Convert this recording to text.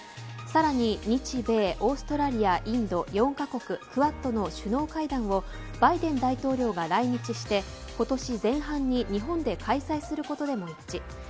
さらに日米オーストラリア、インド４カ国、クアッドの首脳会談をバイデン大統領が来日して今年前半に日本で開催することでも一致。